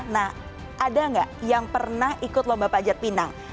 nah ada nggak yang pernah ikut lomba panjatinang